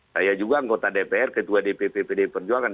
saya juga anggota dpr ketua dpp pdi perjuangan